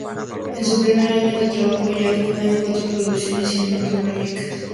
En su primer año de trabajo ya actuó en cuatro producciones cinematográficas.